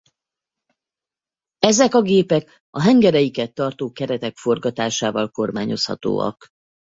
Ezek a gépek a hengereiket tartó keretek forgatásával kormányozhatóak.